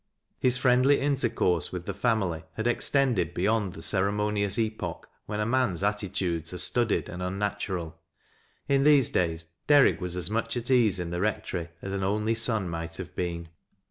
His friendly intercourse with the family had extended beyond the ceremonious epoch, when a man'f attitudes are studied and unnatural. In these days Der rick was as much at ease at the Kectory as an only son might have been.